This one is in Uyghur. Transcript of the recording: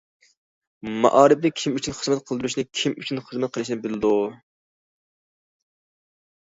مائارىپنى كىم ئۈچۈن خىزمەت قىلدۇرۇشنى، كىم ئۈچۈن خىزمەت قىلىشنى بىلىدۇ.